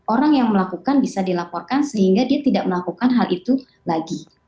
orang yang melakukan bisa dilaporkan sehingga dia tidak melakukan hal itu lagi